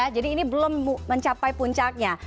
jadi ini belum mencapai puncaknya